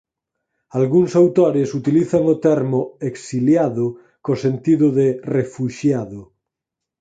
Algúns autores utilizan o termo "exiliado" co sentido de "refuxiado".